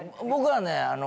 僕はね